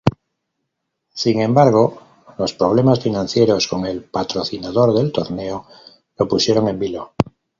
Sin embargo, los problemas financieros con el patrocinador del torneo lo pusieron en vilo.